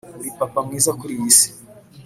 uri papa mwiza kuriyi si